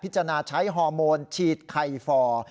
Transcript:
จานาใช้ฮอร์โมนฉีดไข่ฟอร์